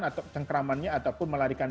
atau cengkramannya ataupun melarikan